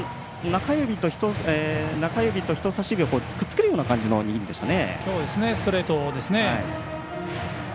中指と人さし指をくっつけるような握りでしたね。